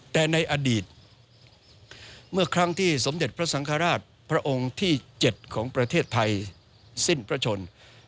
แต่ในอดีตเมื่อครั้งที่สมเด็จพระสังฆราชพระองค์ที่๗ของประเทศไทยสิ้นพระชน